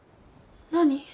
何？